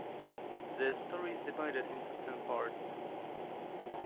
The story is divided into ten parts.